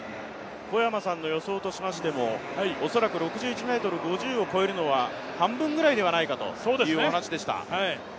小山さんの予想としましても、恐らく６１ｍ５０を越えるのは半分ぐらいではないかというお話でした。